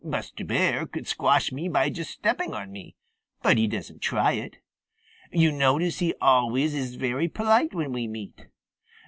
Buster Bear could squash me by just stepping on me, but he doesn't try it. You notice he always is very polite when we meet.